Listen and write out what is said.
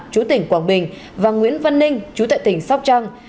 chú tỉnh quảng bình và nguyễn văn ninh chú tại tỉnh sóc trăng